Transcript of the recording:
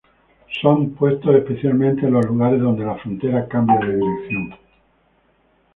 Son puestos esencialmente en los lugares donde la frontera cambia de dirección.